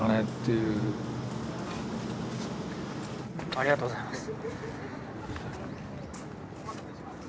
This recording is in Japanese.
ありがとうございます。